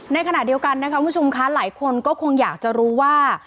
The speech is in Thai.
ในขณะเดียวกันนะคะคุณผู้ชมคะหลายคนก็คงอยากจะรู้ว่า